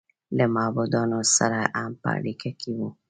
له معبودانو سره هم په اړیکه کې و.